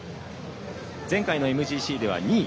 前回のＭＧＣでは２位。